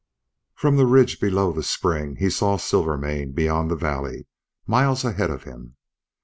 From the ridge below the spring he saw Silvermane beyond the valley, miles ahead of him.